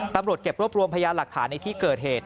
ตำรวจเก็บรวบรวมพยานหลักฐานในที่เกิดเหตุ